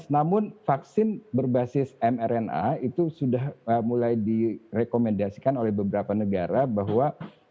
namun vaksin berbasis mrna itu sudah mulai direkomendasikan oleh beberapa negara bahwa